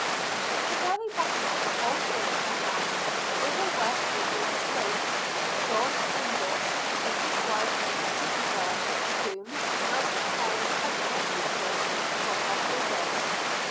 At the very bottom of the whole thing, perhaps, were the West Indian slaves "John Indias" and his wife Tituba, whom Master Parris had brought with him from Barbados.